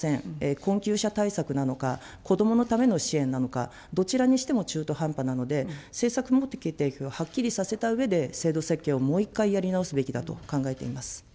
困窮者対策なのか、子どものための支援なのか、どちらにしても中途半端なので、政策目的をはっきりさせたうえで、制度設計をもう一回、やり直すべきだと考えています。